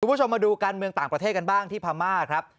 คุณผู้ชมมาดูการเมืองต่างประเทศกันบ้างที่พม่าครับ